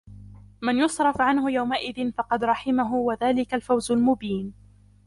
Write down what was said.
من يصرف عنه يومئذ فقد رحمه وذلك الفوز المبين